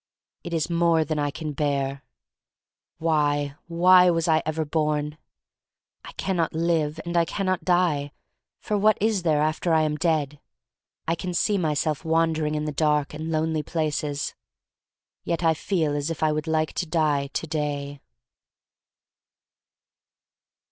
It is more than I can bear. Why — why was I ever born! I can not live, and I can not die — for r 202 THE STORY OF MARY MAC LANE what is there after I am dead? I can see myself wandering in dark and lonely places. Yet I feel as if I would like to die to day.